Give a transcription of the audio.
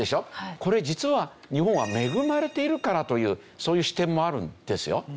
これ実は日本は恵まれているからというそういう視点もあるんですよ。